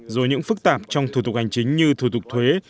rồi những phức tạp trong thủ tục hành chính như thủ tục thuế